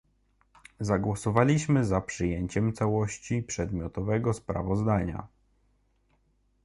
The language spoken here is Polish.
Zagłosowaliśmy za przyjęciem całości przedmiotowego sprawozdania